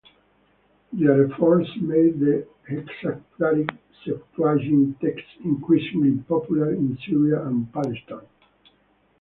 Their efforts made the hexaplaric Septuagint text increasingly popular in Syria and Palestine.